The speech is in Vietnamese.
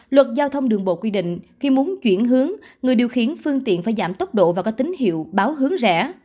luật giao thông đường bộ quy định khi muốn chuyển hướng người điều khiển phương tiện phải giảm tốc độ và có tín hiệu báo hướng rẻ